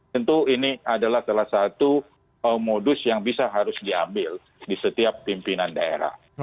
tentu ini adalah salah satu modus yang bisa harus diambil di setiap pimpinan daerah